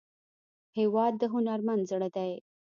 هېواد د هنرمند زړه دی.